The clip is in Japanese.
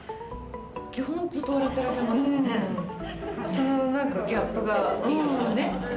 そのギャップがいいですよね。